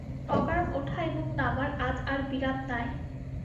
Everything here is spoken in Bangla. অকারণ ওঠা এবং নামার আজ আর বিরাম নাই।